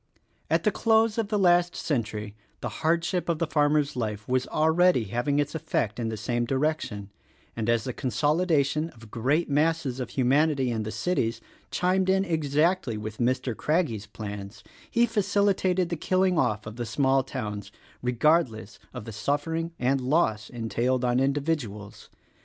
At the close of the last century the hardship of the farmer's life was already having its effect in this same direc tion, and as the consolidation of great masses of humanity in the cities chimed in exactly with Mr. Craggie's plans he facilitated the killing off of the small towns — regardless of the suffering and loss entailed on individuals.